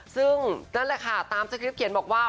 ซึ่งนั่นแหละค่ะตามสคริปเขียนบอกว่า